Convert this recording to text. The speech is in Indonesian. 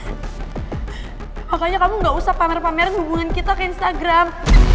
pokoknya kamu gak usah pamer pameran hubungan kita ke instagram